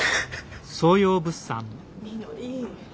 みのり。